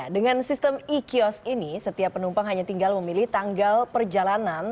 dengan sistem e kiosk ini setiap penumpang hanya tinggal memilih tanggal perjalanan